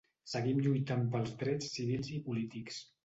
Seguim lluitant pels drets civils i polítics.